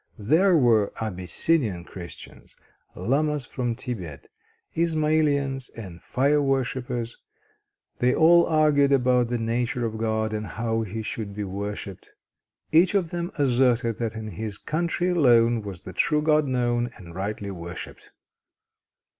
There were Abyssinian Christians, Llamas from Thibet, Ismailians and Fireworshippers. They all argued about the nature of God, and how He should be worshipped. Each of them asserted that in his country alone was the true God known and rightly worshipped.